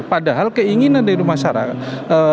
padahal keinginan dari masyarakat